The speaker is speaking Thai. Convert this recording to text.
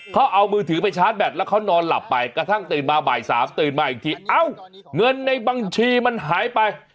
เขาเอามือถือไปชาร์จแบตแล้วเขานอนหลับไปกระทั่งตื่นมาบ่ายสามตื่นมาอีกทีเอ้าเงินในบัญชีมันหายไป